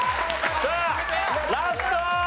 さあラスト！